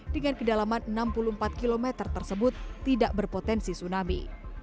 dengan kedalaman enam puluh empat km tersebut tidak berpotensi tsunami